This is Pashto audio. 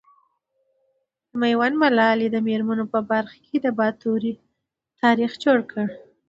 د ميوند ملالي د مېرمنو په برخه کي د باتورئ تاريخ جوړ کړ .